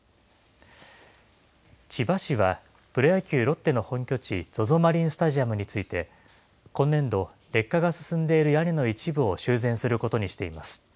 千葉市は、プロ野球・ロッテの本拠地、ＺＯＺＯマリンスタジアムについて、今年度、劣化が進んでいる屋根の一部を修繕することにしています。